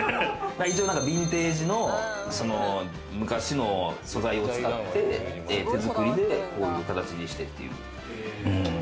ヴィンテージの昔の素材を使って、手作りで、こういう形にしてっていう。